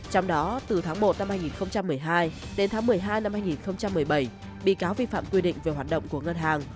trong đó từ tháng một năm hai nghìn một mươi hai đến tháng một mươi hai năm hai nghìn một mươi bảy bị cáo vi phạm quy định về hoạt động của ngân hàng